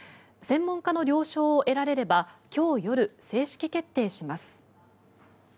専門家の了承を得られれば今日夜、正式決定します。